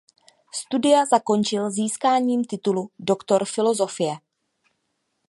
Studia zakončil získáním titulu doktor filozofie.